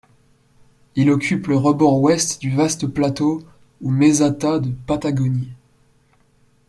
Il occupe le rebord ouest du vaste plateau ou meseta de Patagonie.